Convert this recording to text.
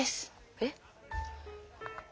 えっ。